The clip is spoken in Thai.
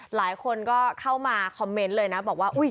หลายคนก็เข้ามาคอมเมนต์เลยนะบอกว่า